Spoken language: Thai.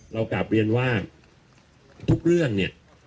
เรากลับเรียนว่าทุกเรื่องเนี่ย